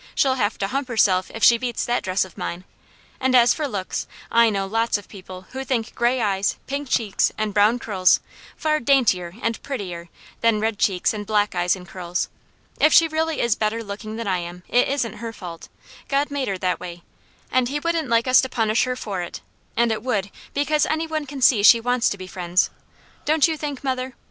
"She'll have to hump herself if she beats that dress of mine; and as for looks, I know lots of people who think gray eyes, pink cheeks, and brown curls far daintier and prettier than red cheeks and black eyes and curls. If she really is better looking than I am, it isn't her fault; God made her that way, and He wouldn't like us to punish her for it; and it would, because any one can see she wants to be friends; don't you think, mother?"